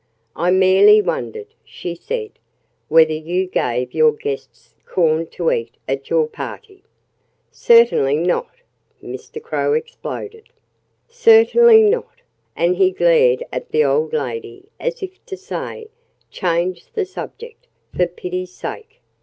"I merely wondered," she said, "whether you gave your guests corn to eat at your party." "Certainly not!" Mr. Crow exploded. "Certainly not!" And he glared at the old lady as if to say: "Change the subject for pity's sake!"